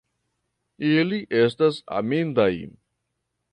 Ili estas amindaj!